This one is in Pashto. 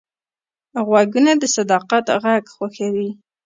غوږونه د صداقت غږ خوښوي